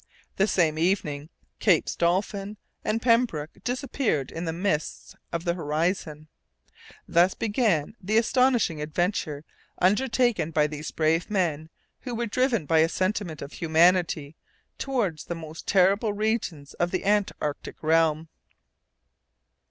The same evening Capes Dolphin and Pembroke disappeared in the mists of the horizon. Thus began the astonishing adventure undertaken by these brave men, who were driven by a sentiment of humanity towards the most terrible regions of the Antarctic realm.